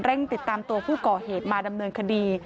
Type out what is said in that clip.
ติดตามตัวผู้ก่อเหตุมาดำเนินคดี